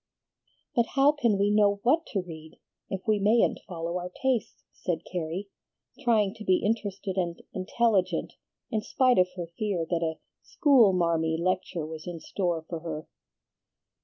"But how can we know WHAT to read if we mayn't follow our tastes?" said Carrie, trying to be interested and "intelligent" in spite of her fear that a "school marmy" lecture was in store for her.